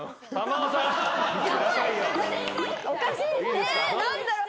ねえ何だろう？